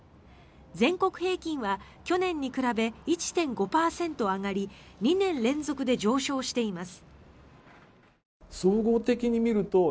全国平均は去年に比べ１．５％上がり２年連続で上昇しています。